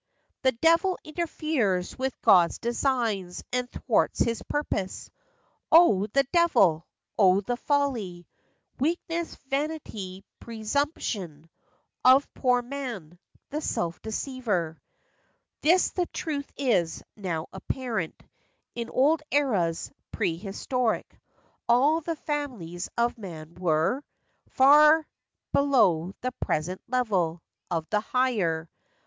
"The devil interferes with God's designs, and thwarts his purpose." O, the devil! O, the folly, Weakness, vanity, presumption, Of poor man—the self deceiver ! This the truth is, now apparent: In old eras, prehistoric, All the families of man were 68 FACTS AND FANCIES. Far below the present level Of the higher.